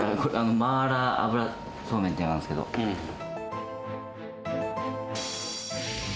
マーラー油そうめんっていうんですけど。